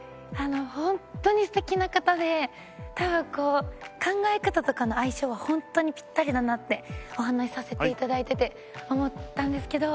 本当に素敵な方で多分考え方とかの相性は本当にピッタリだなってお話しさせていただいてて思ったんですけど